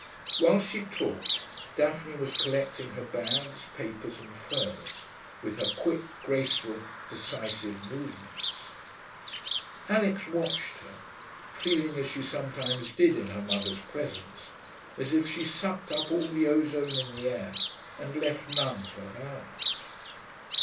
While she talked, Daphne was collecting her bags, papers and furs, with her quick, graceful, decisive movements. Alix watched her, feeling, as she sometimes did in her mother's presence, as if she sucked up all the ozone in the air and left none for her.